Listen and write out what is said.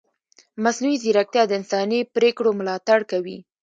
مصنوعي ځیرکتیا د انساني پرېکړو ملاتړ کوي.